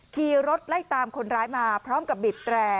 ขี่รถไล่ตามคนร้ายมาพร้อมกับบีบแตร่